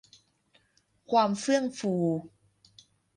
ความเฟื่องฟู